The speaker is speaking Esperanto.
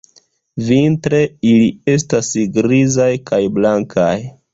Vintre, ili estas grizaj kaj blankaj.